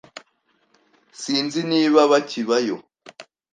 Sinzi niba bakibayo.